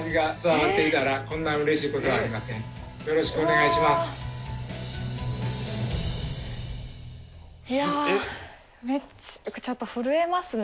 いやぁちょっと震えますね